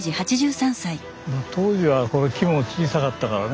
当時はこの木も小さかったからね。